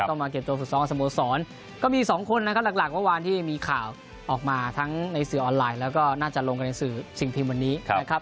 มาเก็บตัวฝึกซ้อมกับสโมสรก็มีสองคนนะครับหลักเมื่อวานที่มีข่าวออกมาทั้งในสื่อออนไลน์แล้วก็น่าจะลงกันในสื่อสิ่งพิมพ์วันนี้นะครับ